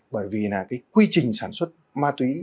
bởi vì là quy trình sản xuất ma túy